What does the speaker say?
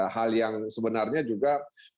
hal yang sebenarnya juga